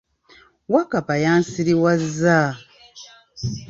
Wakkapa yansiriwazza!